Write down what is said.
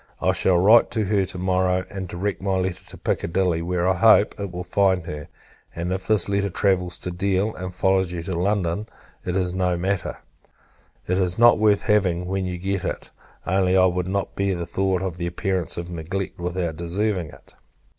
I shall write to her to morrow, and direct my letter to Piccadilly; where, I hope, it will find her: and, if this letter travels to Deal, and follows you to London, it is no matter; it is not worth having, when you get it. Only, I could not bear the thoughts of the appearance of neglect, without deserving it.